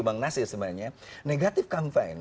bang nasir sebenarnya negatif campaign